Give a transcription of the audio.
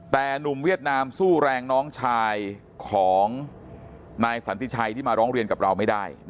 แต่หนุ่มเวียดนามสู้แรงน้องชายของนายสันติชัยที่มาร้องเรียนกับเราไม่ได้